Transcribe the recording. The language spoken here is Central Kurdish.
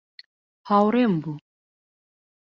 هاوڕێم بوو.